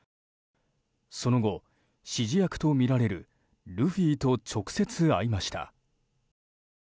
その後、指示役とみられるルフィと直接会いました。